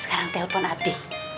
sekarang telpon abi